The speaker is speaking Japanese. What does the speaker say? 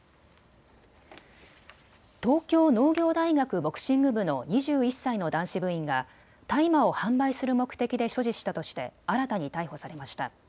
東京農業大学ボクシング部の２１歳の男子部員が大麻を販売する目的で所持したとして新たに逮捕されました。